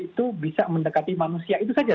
itu bisa mendekati manusia itu saja